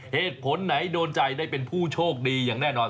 เหตุผลไหนโดนใจได้เป็นผู้โชคดีอย่างแน่นอน